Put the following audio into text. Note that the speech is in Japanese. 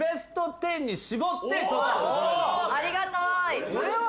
ありがたい。